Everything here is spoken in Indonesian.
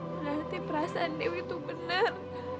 berarti perasaan dewi itu benar